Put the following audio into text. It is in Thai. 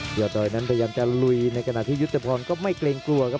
ยอดดอยนั้นพยายามจะลุยในขณะที่ยุทธพรก็ไม่เกรงกลัวครับ